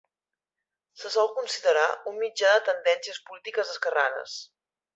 Se sol considerar un mitjà de tendències polítiques esquerranes.